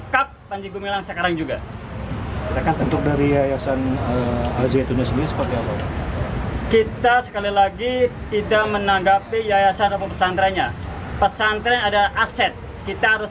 kita sekali lagi tidak menanggapi yayasan pesantrennya pesantren ada aset kita harus